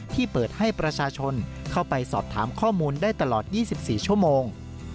ที่เปิดให้ประชาชนเข้าไปสอบถามข้อมูลได้ตลอด๒๔ชั่วโมง